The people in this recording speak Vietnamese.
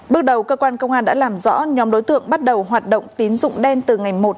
bước đầu cơ quan công an đã làm rõ nhóm đối tượng bắt đầu hoạt động tín dụng đen từ ngày một tháng